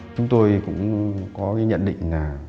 chúng tôi cũng có nhận định